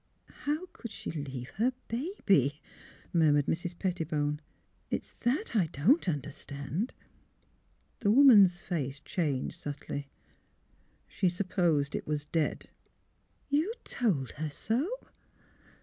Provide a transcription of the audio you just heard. '' How could she leave her baby? " murmured Mrs. Pettibone. "It is that I don't under stand." The woman's face changed subtly. *' She supposed it was dead." '' You told her so?